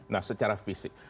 nah secara fisik